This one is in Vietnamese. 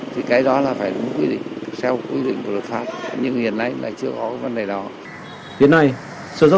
thì cái đó là phải đúng quy định theo quy định của luật pháp